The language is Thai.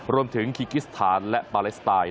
รวมถึงคีกิสตานและปาเลสไตร์